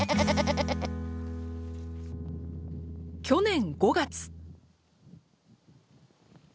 去年５月。